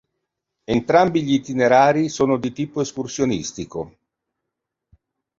Entrambi gli itinerari sono di tipo escursionistico.